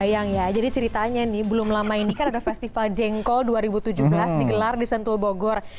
bayang ya jadi ceritanya nih belum lama ini kan ada festival jengkol dua ribu tujuh belas digelar di sentul bogor